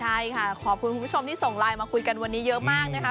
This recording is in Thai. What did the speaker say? ใช่ค่ะขอบคุณคุณผู้ชมที่ส่งไลน์มาคุยกันวันนี้เยอะมากนะคะ